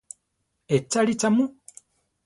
¿Echáre cha mu?